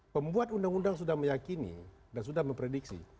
pembuat undang undang sudah meyakini dan sudah memprediksi